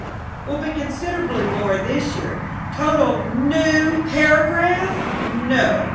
Will be considerably more this year. Total " "New paragraph?" "No.